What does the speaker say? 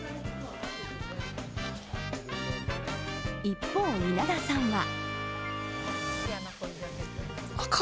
一方、稲田さんは。